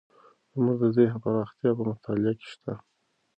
زموږ د ذهن پراختیا په مطالعه کې شته.